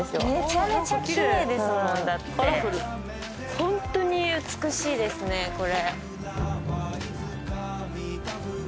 ホントに美しいですねこれ。